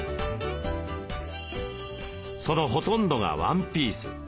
そのほとんどがワンピース。